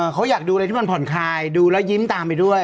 เขาอยากดูอะไรที่มันผ่อนคลายดูแล้วยิ้มตามไปด้วย